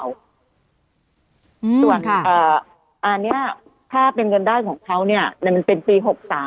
ส่วนอันนี้ถ้าเป็นเงินได้ของเขาเนี่ยมันเป็นปี๖๓